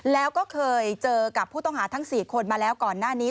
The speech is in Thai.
แล้วก็เคยเจอกับผู้ต้องหาทั้ง๔คนมาแล้วก่อนหน้านี้